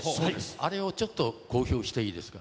あれをちょっとこうひょうしていいですか。